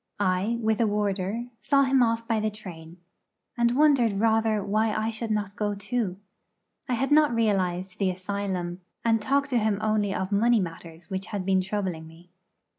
I, with a warder, saw him off by the train, and wondered rather why I should not go too. I had not realised the asylum, and talked to him only of money matters which had been troubling me.